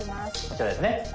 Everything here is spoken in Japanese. こちらですね。